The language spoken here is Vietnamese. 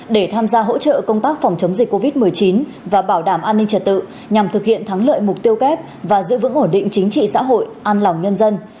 để tham gia hỗ trợ công tác phòng chống dịch covid một mươi chín và bảo đảm an ninh trật tự nhằm thực hiện thắng lợi mục tiêu kép và giữ vững ổn định chính trị xã hội an lòng nhân dân